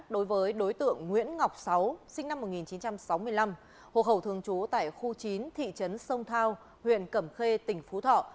đối với đối tượng nguyễn ngọc sáu sinh năm một nghìn chín trăm sáu mươi năm hộ khẩu thường trú tại khu chín thị trấn sông thao huyện cẩm khê tỉnh phú thọ